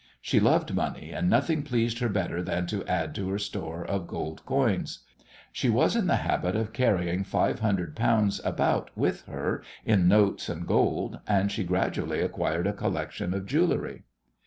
She loved money, and nothing pleased her better than to add to her store of gold coins. She was in the habit of carrying five hundred pounds about with her in notes and gold, and she gradually acquired a collection of jewellery.